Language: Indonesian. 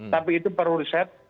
tapi itu perlu riset